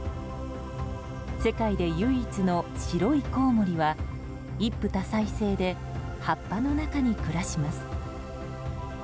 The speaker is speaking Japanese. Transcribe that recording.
世界で唯一の白いコウモリは一夫多妻制で葉っぱの中に暮らします。